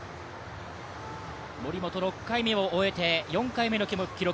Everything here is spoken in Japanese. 森本６回目を終えて、４回目の記録